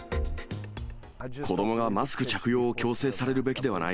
子どもがマスク着用を強制されるべきではない。